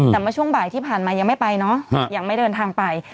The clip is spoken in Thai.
แต่เมื่อช่วงบ่ายที่ผ่านมายังไม่ไปเนาะยังไม่เดินทางไป